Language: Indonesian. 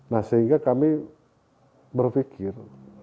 nah sehingga kami berpikir